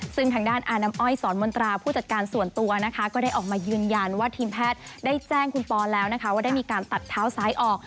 ซึ่งทางด้านอาน้ำอ้อยสอนมนตราผู้จัดการส่วนตัวนะคะก็ได้ออกมายืนยันว่าทีมแพทย์ได้แจ้งคุณปอนแล้วนะคะว่าได้มีการตัดเท้าซ้ายออก